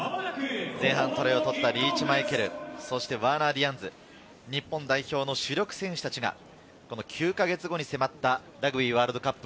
前半トライを取ったリーチ・マイケル、そしてワーナー・ディアンズ、日本代表の主力選手たちが、９か月後に迫ったラグビーワールドカップ